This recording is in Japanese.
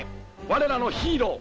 我らのヒーロー！